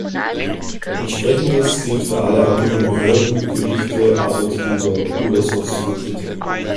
Entsprechendes gilt für alle anderen Behörden, Gerichte, Arbeitgeber oder sonstige Dritte.